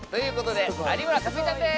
有村架純ちゃんです。